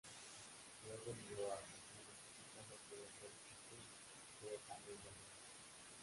Luego emigró a Argentina fichando por el Racing Club de Avellaneda.